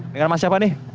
dengan mas siapa nih